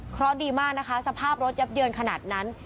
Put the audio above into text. เพราะดีมากนะคะสภาพรถยับเยินขนาดนั้น